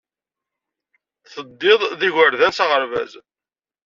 Teddiḍ d yigerdan s aɣerbaz.